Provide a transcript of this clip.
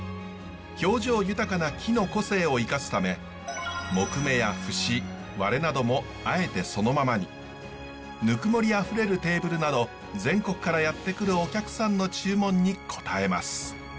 表情豊かな木の個性を生かすため木目や節割れなどもあえてそのままにぬくもりあふれるテーブルなど全国からやって来るお客さんの注文に応えます。